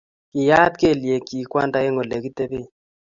Kiyaat kelyekchik Kwanda eng olegitebei